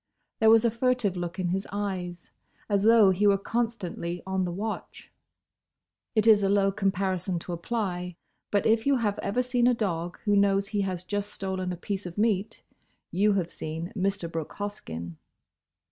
There was a furtive look in his eyes, as though he were constantly on the watch. It is a low comparison to apply, but if you have ever seen a dog who knows he has just stolen a piece of meat, you have seen Mr. Brooke Hoskyn.